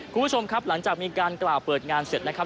คุณผู้ชมครับหลังจากมีการกล่าวเปิดงานเสร็จนะครับ